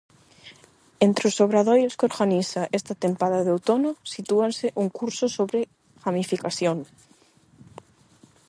Entre os obradoiros que organiza esta tempada de outono sitúase un curso sobre gamificación.